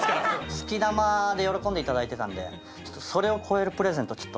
好き玉で喜んでいただいてたんでそれを超えるプレゼントちょっと。